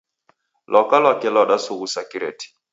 Lwaka lwake Iw'adasughusa kireti